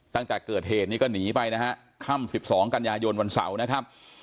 ตั้งจากเกิดเหตุนี้ก็หนีไปค่ำ๑๒กันยายนวันเสาร์